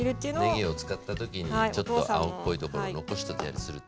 ねぎを使った時にちょっと青っぽいところを残してたりすると。